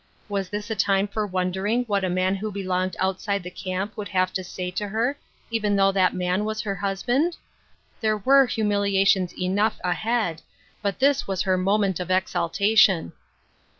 Was this a time for wondering what a man who belonged outside the camp would have to say to her, even though that man was her husband ? There were humiliations enough ahead, but this was her moment of ex altation.